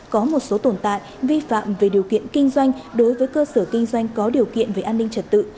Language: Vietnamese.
có một số tồn tại vi phạm về điều kiện kinh doanh đối với cơ sở kinh doanh có điều kiện về an ninh trật tự